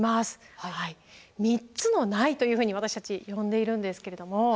「３つのない」というふうに私たち呼んでいるんですけれども。